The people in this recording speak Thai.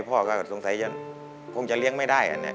พ่ออาจจะทรงสักยันจะเลี้ยงไม่ได้นะเนี้ย